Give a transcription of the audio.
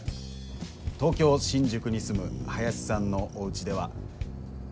東京・新宿に住む林さんのおうちではご覧のとおり。